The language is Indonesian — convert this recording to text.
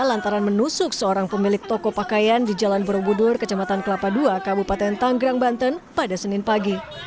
lantaran menusuk seorang pemilik toko pakaian di jalan borobudur kecamatan kelapa ii kabupaten tanggerang banten pada senin pagi